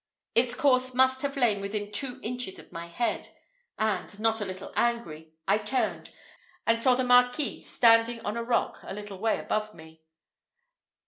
Its course must have lain within two inches of my head; and, not a little angry, I turned, and saw the Marquis standing on a rock a little way above me.